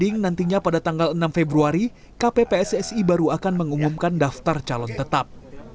nantinya pada tanggal enam februari kppssi baru akan mengumumkan daftar calon tetap